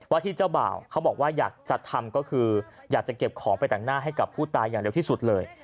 ที่เจ้าบ่าวเขาบอกว่าอยากจัดทำก็คืออยากจะเก็บของไปแต่งหน้าให้กับผู้ตายอย่างเร็วที่สุดเลย